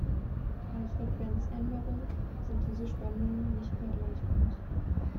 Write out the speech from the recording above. Bei Frequenzänderung sind diese Spannungen nicht mehr gleich groß.